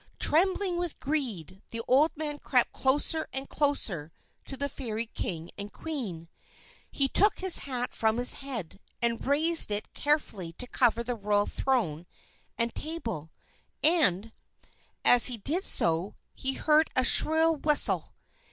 Trembling with greed, the old man crept closer and closer to the Fairy King and Queen. He took his hat from his head, and raised it carefully to cover the royal throne and table; and, as he did so, he heard a shrill whistle.